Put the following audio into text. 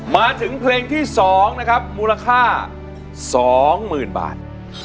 มาถึงเพลงที่๒นะครับมูลค่า๒๐๐๐บาท